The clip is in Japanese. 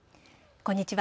こんにちは。